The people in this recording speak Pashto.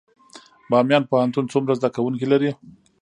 بامیان پوهنتون څومره زده کوونکي لري؟